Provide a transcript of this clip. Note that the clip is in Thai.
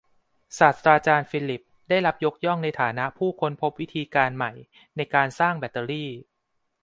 ศาสตราจารย์ฟิลลิปส์ได้รับยกย่องในฐานะผู้ค้นพบวิธีการใหม่ในการสร้างแบตเตอรี่